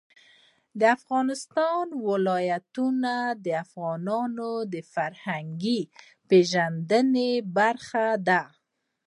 د افغانستان ولايتونه د افغانانو د فرهنګي پیژندنې برخه ده.